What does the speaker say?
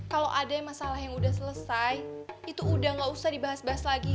kalau ada masalah yang udah selesai itu udah gak usah dibahas bahas lagi